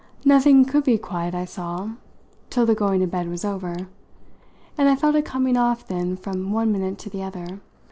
Nothing could be quiet, I saw, till the going to bed was over, and I felt it coming off then from one minute to the other.